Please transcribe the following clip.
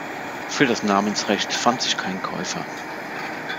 Für das Namensrecht fand sich kein Käufer.